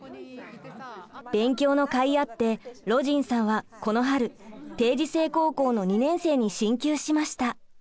勉強のかいあってロジンさんはこの春定時制高校の２年生に進級しました。